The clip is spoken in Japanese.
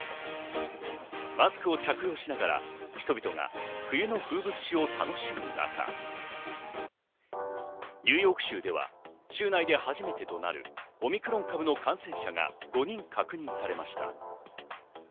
マスクを着用しながら人々が冬の風物詩を楽しむ中、ニューヨーク州では州内で初めてとなるオミクロン株の感染者が５人確認されました。